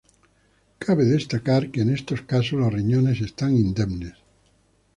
Cabe destacar que en estos casos, los riñones están indemnes.